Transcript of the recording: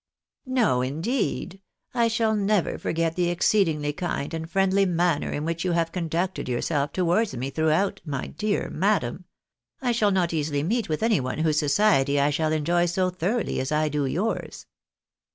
" No, indeed ! I shall never forget the exceedingly kind and friendly manner in which you have conducted yourself towards me throughout, my dear madam. I shall not easily meet with any one whose society I shall enjoy so thoroughly as I do yours."